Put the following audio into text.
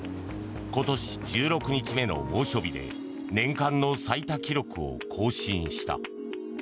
今年１６日目の猛暑日で年間の最多記録を更新した。